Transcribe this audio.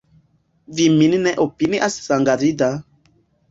Vi min ne opinias sangavida!